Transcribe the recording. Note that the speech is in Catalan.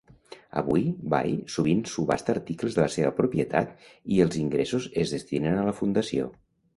Avui, Vai sovint subhasta articles de la seva propietat i els ingressos es destinen a la fundació.